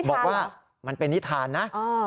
บอกว่ามันเป็นนิทานนะ